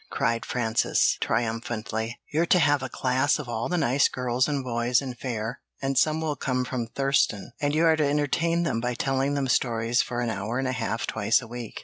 cried Frances, triumphantly. "You're to have a class of all the nice girls and boys in Fayre and some will come from Thruston and you are to entertain them by telling them stories for an hour and a half twice a week.